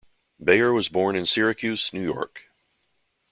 Bayer was born in Syracuse, New York.